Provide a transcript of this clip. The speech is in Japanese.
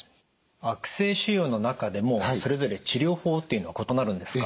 悪性腫瘍の中でもそれぞれ治療法っていうのは異なるんですか？